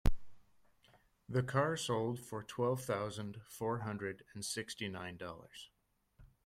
The car sold for twelve thousand four hundred and sixty nine dollars.